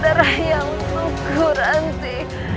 ada yang tunggu ranti